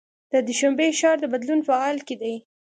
د دوشنبې ښار د بدلون په حال کې دی.